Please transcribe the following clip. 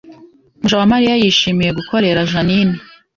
Mujawamariya yishimiye gukorera Jeaninne